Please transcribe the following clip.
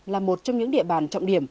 là một trong những địa bàn trọng điểm